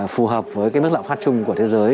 phù hợp với mức lợi phát trung của thế giới